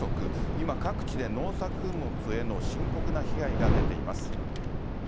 今、各地で農作物への深刻な被害が出ています。